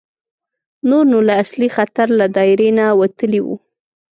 نور نو له اصلي خطر له دایرې نه وتلي وو.